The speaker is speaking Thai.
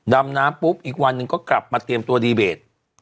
ดำน้ำปุ๊บอีกวันหนึ่งก็กลับมาเตรียมตัวดีเบต